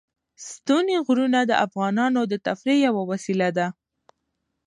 ستوني غرونه د افغانانو د تفریح یوه وسیله ده.